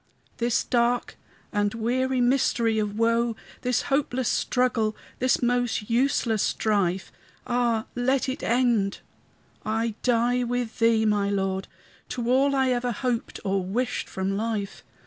This dark and weary mystery of woe, This hopeless struggle, this most useless strife, Ah, let it end! I die with thee, my Lord, To all I ever hoped or wished from life.